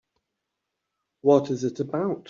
What is it about?